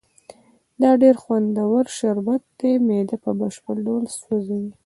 دا ډېر خوندور شربت دی، معده په بشپړ ډول سوځي.